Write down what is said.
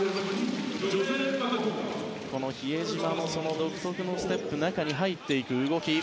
比江島、独特のステップで中に入っていく動き。